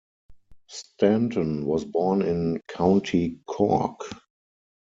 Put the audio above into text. Stanton was born in County Cork.